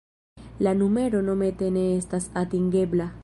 La numero momente ne estas atingebla...